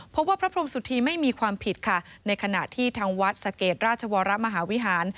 พระพรมสุธีไม่มีความผิดค่ะในขณะที่ทางวัดสะเกดราชวรมหาวิหาร